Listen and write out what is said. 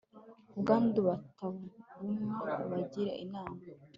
ubwandu batavumwa, ubagire inama